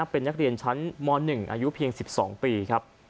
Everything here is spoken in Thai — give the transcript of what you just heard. เป็นนักเรียนชั้นม๑อายุเพียง๑๒ปีครับ